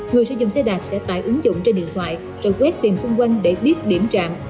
người sử dụng xe đạp sẽ tải ứng dụng trên điện thoại rồi quét tiền xung quanh để biết điểm trạng